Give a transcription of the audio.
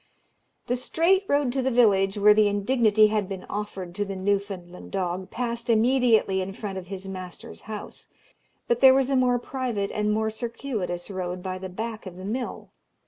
The straight road to the village where the indignity had been offered to the Newfoundland dog passed immediately in front of his master's house, but there was a more private and more circuitous road by the back of the mill.